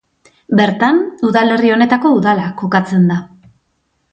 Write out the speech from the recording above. Bertan udalerri honetako Udala kokatzen da.